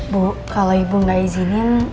bu kalau ibu nggak izinin